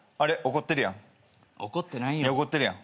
怒ってるやん。